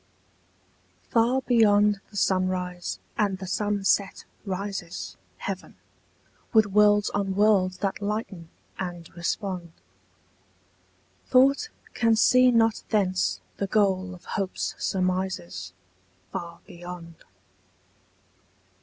FAR beyond the sunrise and the sunset rises Heaven, with worlds on worlds that lighten and respond: Thought can see not thence the goal of hope's surmises Far beyond.